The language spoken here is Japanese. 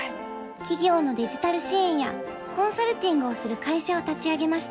企業のデジタル支援やコンサルティングをする会社を立ち上げました。